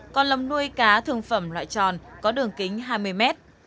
còn lồng nuôi cá thương phẩm loại tròn có đường kính hai mươi mét